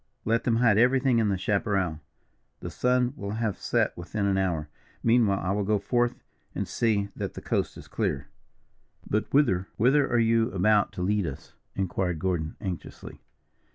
Let them hide everything in the chaparral; the sun will have set within an hour. Meanwhile, I will go forth and see that the coast is clear." "But whither, whither are you about to lead us?" inquired Gordon, anxiously.